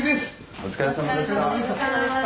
お疲れさまでした。